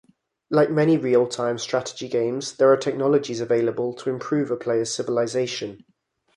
Like many real-time strategy games, there are technologies available to improve a player's civilization.